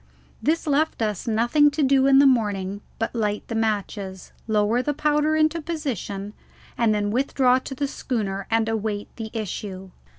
This left us nothing to do in the morning but light the matches, lower the powder into position, and then withdraw to the schooner and await the issue.